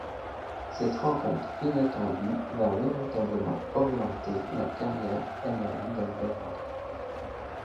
Cette rencontre inattendue va véritablement orienter la carrière et la vie d'Albert André.